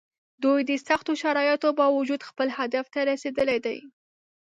دوی د سختو شرایطو باوجود خپل هدف ته رسېدلي دي.